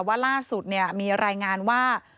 ว่าล่าสุดมีรายงานว่า